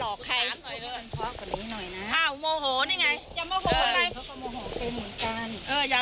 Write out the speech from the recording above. เอออย่ามายืนใส่เหมือนกัน